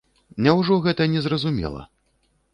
Няўжо гэта не зразумела?